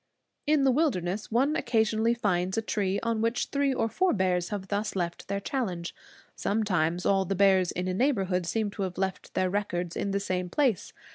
In the wilderness one occasionally finds a tree on which three or four bears have thus left their challenge. Sometimes all the bears in a neighborhood seem to have left their records in the same place.